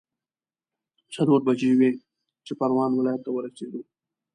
څلور بجې وې چې پروان ولايت ته ورسېدو.